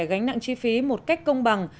gánh nặng chi phí một cách công bằng